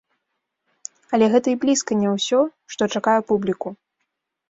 Але гэта і блізка не ўсё, што чакае публіку.